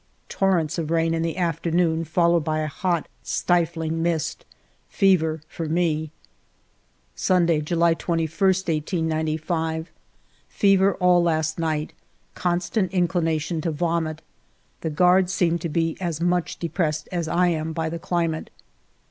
Torrents of rain in the afternoon, followed by a hot stifiing mist. Fever for me. 156 FIVE YEARS OF MY LIFE Sunday^ July 21, 1895. Fever all last night ; constant inclination to vomit. The guards seem to be as much ae pressed as I am by the climate.